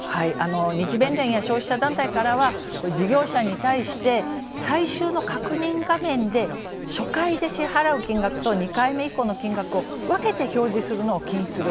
日弁連や消費者団体からは事業者に対して最終の確認画面で初回で支払う金額と２回目以降の金額を分けて表示するのを禁止する。